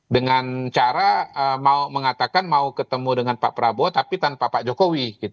dengan cara mau mengatakan mau ketemu dengan pak prabowo tapi tanpa pak jokowi